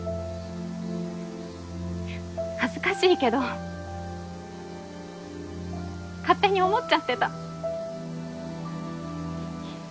恥ずかしいけど勝手に思っちゃってた。